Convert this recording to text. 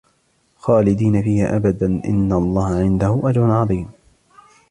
خَالِدِينَ فِيهَا أَبَدًا إِنَّ اللَّهَ عِنْدَهُ أَجْرٌ عَظِيمٌ